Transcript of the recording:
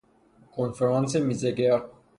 کنفرانس میز گرد